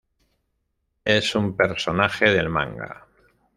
Es un personaje del manga.